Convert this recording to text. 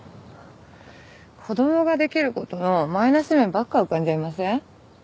子供ができる事のマイナス面ばっか浮かんじゃいません？